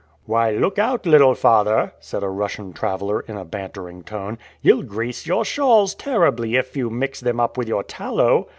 "Why, look out, little father," said a Russian traveler, in a bantering tone; "you'll grease your shawls terribly if you mix them up with your tallow."